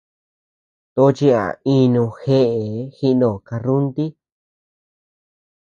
Tochi a inu jee, jinó karrunti.